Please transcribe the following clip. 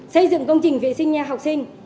xây dựng công trình vệ sinh nhà học sinh